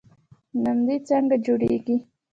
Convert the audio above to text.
نمدې څنګه جوړیږي؟